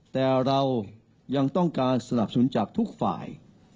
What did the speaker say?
แต่เรายังต้องการสนับสนุนจากทุกฝ่าย